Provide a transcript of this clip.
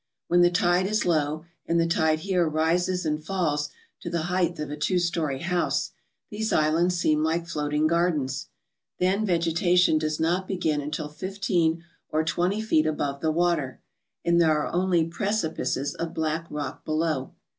^hen the tide is low and the tide here rises and falls to the height of a two story house these islands seem like floating gardens. Then vegetation does not begin until flfteen or twenty feet above the water, and there are only precipices of black rock below.